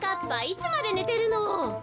いつまでねてるの！